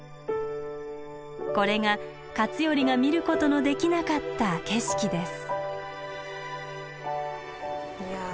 これが勝頼が見ることのできなかった景色です。